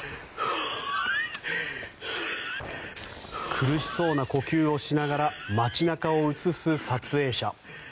苦しそうな呼吸をしながら街中を映す撮影者。